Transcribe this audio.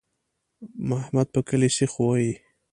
احمد په کلي سیخ وي.